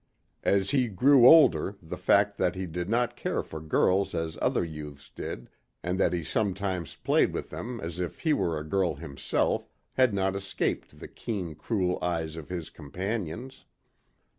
As he had grown older the fact that he did not care for girls as other youths did, and that he sometimes played with them as if he were a girl himself, had not escaped the keen, cruel eyes of his companions.